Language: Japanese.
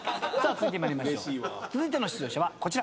続いての出場者はこちら。